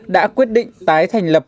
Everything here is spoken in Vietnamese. đã quyết định tái thành lập